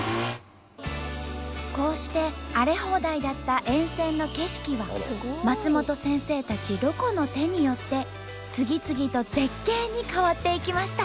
こうして荒れ放題だった沿線の景色は松本先生たちロコの手によって次々と絶景に変わっていきました。